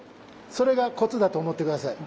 それがコツだと思って下さい。